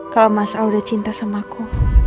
kalau mas al udah cinta sama aku